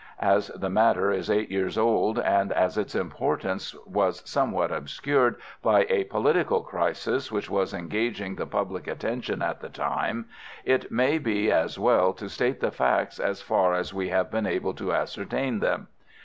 As the matter is eight years old, and as its importance was somewhat obscured by a political crisis which was engaging the public attention at the time, it may be as well to state the facts as far as we have been able to ascertain them.